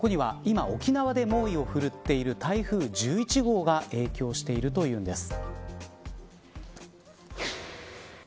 そこには今沖縄で猛威を振るっている台風１１号が影響しているというんです。